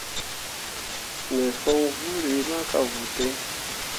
Me fon buuri ma ka vuu ten.